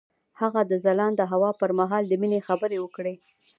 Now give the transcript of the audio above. هغه د ځلانده هوا پر مهال د مینې خبرې وکړې.